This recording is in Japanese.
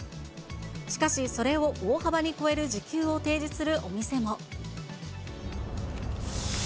しかしそれを大幅に超える時給を提示するお店も。